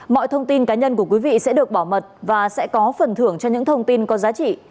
mọi thông tin cá nhân của quý vị sẽ được bảo mật và sẽ có phần thưởng cho những thông tin có giá trị